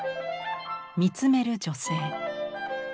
見つめる女性。